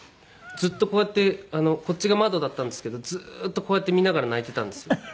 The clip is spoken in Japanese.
ずっとこうやってこっちが窓だったんですけどずーっとこうやって見ながら泣いてたんですよ。